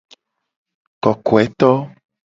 Kokoeto.